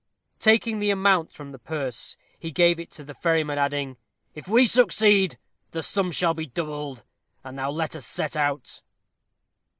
Taking the amount from the purse, he gave it to the ferryman, adding, "If we succeed, the sum shall be doubled; and now let us set out."